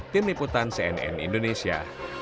tim liputan cnn indonesia